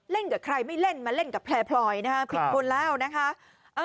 เล่นกับใครไม่เล่นมาเล่นกับแพลนะผิดคนแล้วนะคะ